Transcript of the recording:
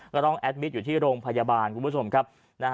ก็ต้องแอดมิตรอยู่ที่โรงพยาบาลคุณผู้ชมครับ